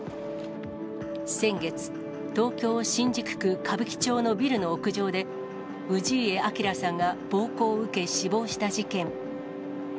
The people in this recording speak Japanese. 先月、東京・新宿区歌舞伎町のビルの屋上で、氏家彰さんが暴行を受け、死亡した事件。